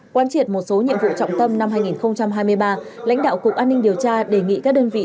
quan triệt một số nhiệm vụ trọng tâm năm hai nghìn hai mươi ba lãnh đạo cục an ninh điều tra đề nghị các đơn vị